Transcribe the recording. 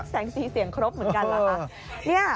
แสงสีเสียงครบเหมือนกันนะคะ